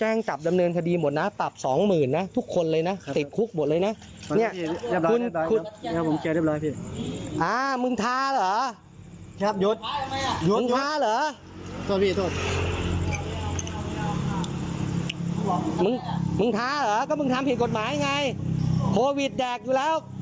มึงท้าเหรอก็มึงทำผิดกฎหมายไงโควิดแดกอยู่แล้ว